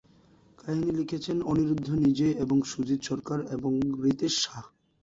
কাহিনী লিখেছিলেন অনিরুদ্ধ নিজে এবং সুজিত সরকার এবং রিতেশ শাহ।